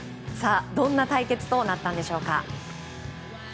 どんな対決となったのでしょうか。